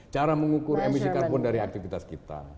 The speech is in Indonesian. cara mengukur emisi karbon dari aktivitas kita